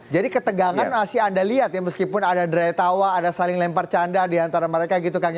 jadi ketegangan masih anda lihat ya meskipun ada derai tawa ada saling lempar canda diantara mereka gitu kan